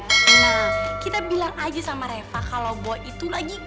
nah kita bilang aja sama reva kalau gue itu lagi